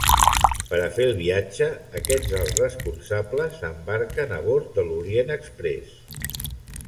Per a fer el viatge, aquests alts responsables embarquen a bord de l'Orient Exprés.